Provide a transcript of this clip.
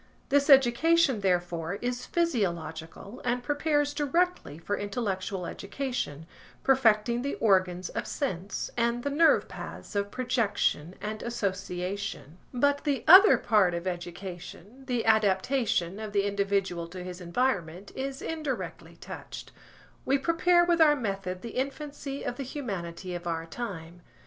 This education, therefore, is physiological and prepares directly for intellectual education, perfecting the organs of sense, and the nerve paths of projection and association. But the other part of education, the adaptation of the individual to his environment, is indirectly touched. We prepare with our method the infancy of the humanity of our time.